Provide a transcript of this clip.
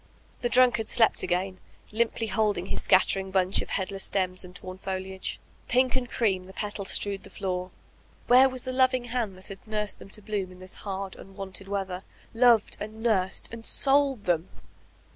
The drunk ard slept again, limply holding his scattering bunch of headless stems and torn fdiage. Pink and cream the petals strewed the floor. Where was the loviog hand that had nursed them to bloom in this hard, unwonted weather; feved and nursed and— mU them?